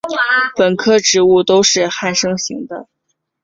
本科植物都是旱生型的。